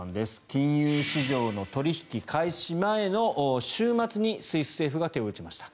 金融市場の取引開始前の週末にスイス政府が手を打ちました。